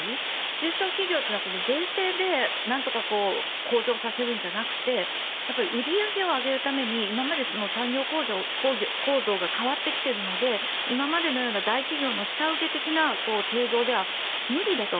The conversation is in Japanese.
中小企業というのは税制で向上させるんじゃなくて売り上げを上げるために産業構造が変わってきているので今までのような大企業の下請け的な製造では無理だと。